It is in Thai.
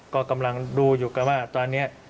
ก็กำลังดูอยู่กันว่าตอนนี้